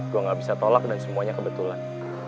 gue gak bisa tolak dan semuanya kebetulan